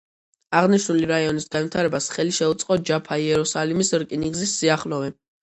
აღნიშნული რაიონის განვითარებას ხელი შეუწყო ჯაფა–იერუსალიმის რკინიგზის სიახლოვემ.